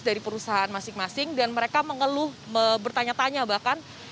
dari perusahaan masing masing dan mereka mengeluh bertanya tanya bahkan